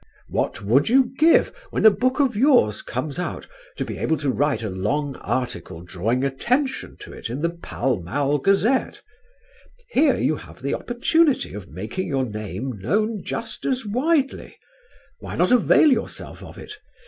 What would you give, when a book of yours comes out, to be able to write a long article drawing attention to it in The Pall Mall Gazette? Here you have the opportunity of making your name known just as widely; why not avail yourself of it?